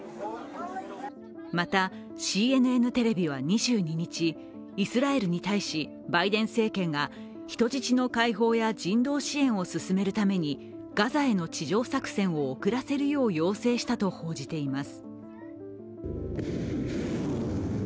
また、ＣＮＮテレビは２２日イスラエルに対し、バイデン政権が人質の解放や人道支援を進めるためにガザへの地上作戦を遅らせるよう要請したと報じています。